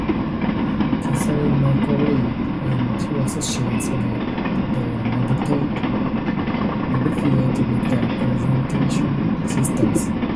Catherine McAuley and two associates made their novitiate with the Presentation Sisters.